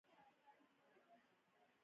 سینماګانو کې نندارې ته وړاندې شوی.